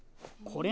これ！